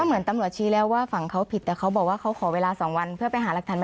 อันนั้นหลังจากเราได้กล้องแล้วป่ะ